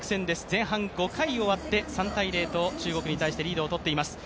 前半５回終わって３−０と中国に対してリードを取っています。